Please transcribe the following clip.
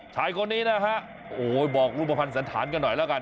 ชายคนนี้นะฮะโอ้ยบอกรูปภัณฑ์สันธารกันหน่อยแล้วกัน